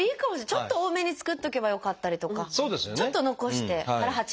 ちょっと多めに作っておけばよかったりとかちょっと残して腹